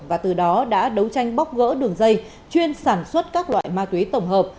và từ đó đã đấu tranh bóc gỡ đường dây chuyên sản xuất các loại ma túy tổng hợp